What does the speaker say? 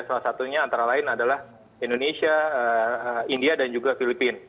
salah satunya antara lain adalah indonesia india dan juga filipina